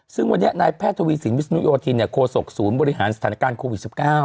ซึ่งวันนี้นายแพทย์ทวีสินวิศนุโยธินโคศกศูนย์บริหารสถานการณ์โควิด๑๙